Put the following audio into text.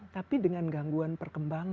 tapi dengan gangguan perkembangan